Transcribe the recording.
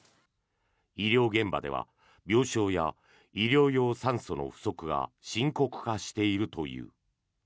医療現場では病床や医療用酸素の不足が深刻化しているという。